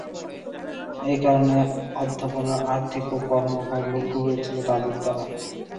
এই কারণে অধ্যাপনার আর্থিক ও কর্ম-ভার লঘু হয়েছিল তাঁদের দ্বারা।